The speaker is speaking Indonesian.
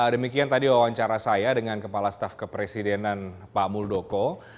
demikian tadi wawancara saya dengan kepala staf kepresidenan pak muldoko